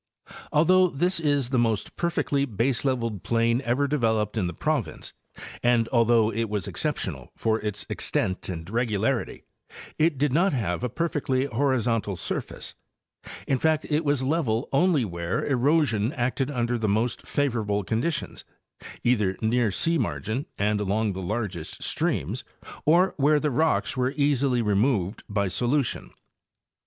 Although this is the most perfectly baseleveled plain ever developed in the province, and although it was exceptional for its extent and regularity, it did not have a perfectly horizontal surface; in fact, it was level only where erosion acted under the most favorable conditions, either near sea margin and along the largest streams or where the rocks were easily removed by solution.